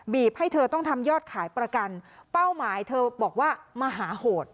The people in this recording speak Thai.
ให้เธอต้องทำยอดขายประกันเป้าหมายเธอบอกว่ามหาโหด